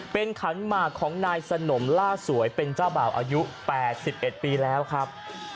เป็นขันหมากของนายสนมล่าสวยเป็นเจ้าบ่าวอายุ๘๑ปีแล้วครับ